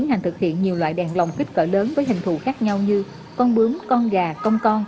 mà như thế thì không có kế hoạch gì đâu